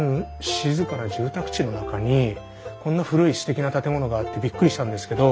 静かな住宅地の中にこんな古いすてきな建物があってびっくりしたんですけど。